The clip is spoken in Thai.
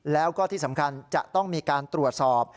แล้วก็ที่สำคัญจะต้องมีการตรวจสอบ